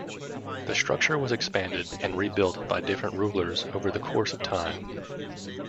The structure was expanded and rebuilt by different rulers over the course of time.